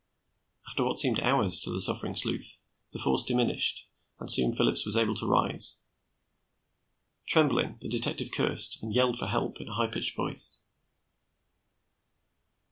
After what seemed hours to the suffering sleuth, the force diminished, and soon Phillips was able to rise. Trembling, the detective cursed and yelled for help in a high pitched voice.